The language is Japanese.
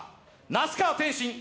那須川天心